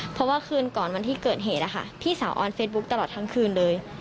เพราะว่าคืนก่อนวันที่เกิดเหตุพี่สาวออนเฟซบุ๊คตลอดทั้งคืนเลย